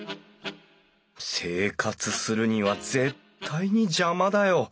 生活するには絶対に邪魔だよ。